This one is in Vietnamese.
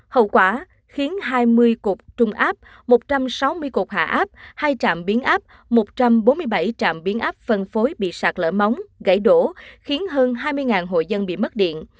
hậu quả khiến hai mươi cục trung áp một trăm sáu mươi cột hạ áp hai trạm biến áp một trăm bốn mươi bảy trạm biến áp phân phối bị sạt lở móng gãy đổ khiến hơn hai mươi hội dân bị mất điện